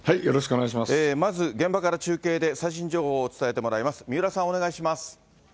まず現場から中継で最新情報を伝えてもらいます。